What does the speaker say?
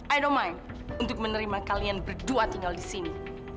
aku tidak peduli untuk menerima kalian berdua tinggal di sini